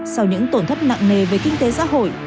sau những tổn thất nặng nề về kinh tế xã hội